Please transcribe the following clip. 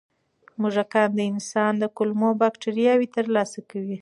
موږکان د انسان د کولمو بکتریاوو ترلاسه کوي.